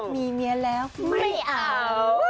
มีเมียแล้วไม่เอา